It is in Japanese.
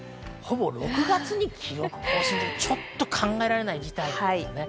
６月に記録更新ってちょっと考えられない事態です。